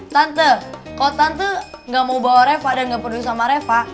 tante kalo tante gak mau bawa reva dan gak perlu sama reva